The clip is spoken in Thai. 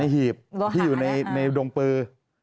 ที่อยู่ในดงปือ